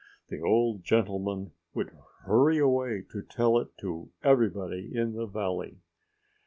The old gentleman would hurry away to tell it to everybody in the valley.